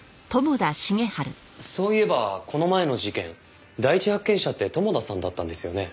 そういえばこの前の事件第一発見者って友田さんだったんですよね？